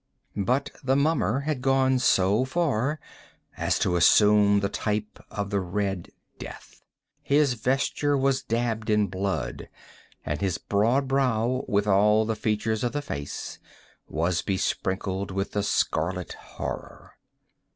But the mummer had gone so far as to assume the type of the Red Death. His vesture was dabbled in blood—and his broad brow, with all the features of the face, was besprinkled with the scarlet horror.